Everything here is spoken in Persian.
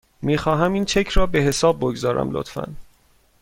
میخواهم این چک را به حساب بگذارم، لطفاً.